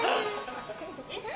えっ？